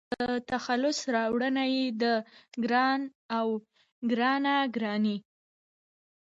د تخلص راوړنه يې د --ګران--او --ګرانه ګراني